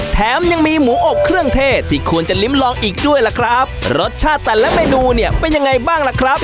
แถมยังมีหมูอบเครื่องเทศที่ควรจะลิ้มลองอีกด้วยล่ะครับรสชาติแต่ละเมนูเนี่ยเป็นยังไงบ้างล่ะครับ